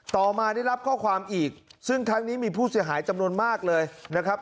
ต่อมาได้รับข้อความอีกซึ่งครั้งนี้มีผู้เสียหายจำนวนมากเลยนะครับ